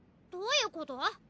どういうこと？